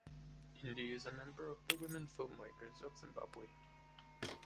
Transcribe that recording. Indi is a member of the Women Filmmakers of Zimbabwe.